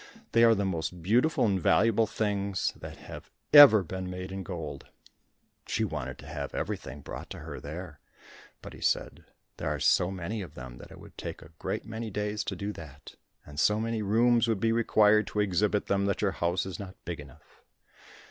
They are the most beautiful and valuable things that have ever been made in gold." She wanted to have everything brought to her there, but he said, "There are so many of them that it would take a great many days to do that, and so many rooms would be required to exhibit them, that your house is not big enough."